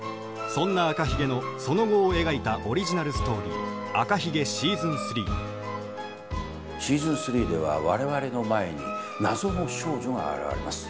そんな「赤ひげ」のその後を描いたオリジナルストーリーシーズン３では我々の前に謎の少女が現れます。